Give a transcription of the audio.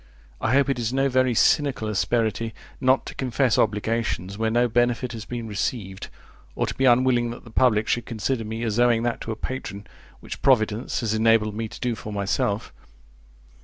I hope it is no very cynical asperity not to confess obligations where no benefit has been received, or to be unwilling that the public should consider me as owing that to a patron, which providence has enabled me to do for myself.